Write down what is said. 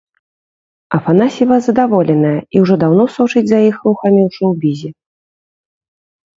Афанасьева задаволеная, і ўжо даўно сочыць за іх рухамі ў шоўбізе.